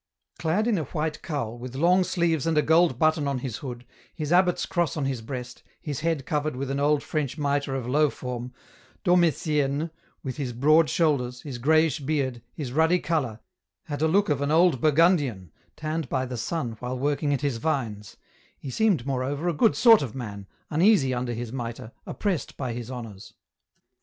Clad in a white cowl, with long sleeves and a gold button 104 EN ROUTE. on his hood, his abbot's cross on his breast, his head covered with an old French mitre of low form, Dom Etienne, with his broad shoulders, his greyish beard, his ruddy colour, had a look of an old Burgundian, tanned by the sun while working at his vines ; he seemed, moreover, a good sort of man, uneasy under his mitre, oppressed by his honours.